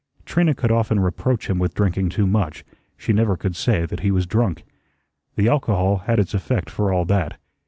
Trina could often reproach him with drinking too much; she never could say that he was drunk. The alcohol had its effect for all that.